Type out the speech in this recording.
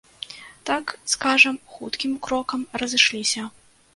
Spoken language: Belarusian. Так скажам, хуткім крокам разышліся.